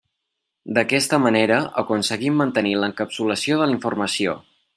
D'aquesta manera aconseguim mantenir l'encapsulació de la informació.